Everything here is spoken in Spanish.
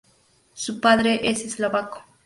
Su padre es eslovaco.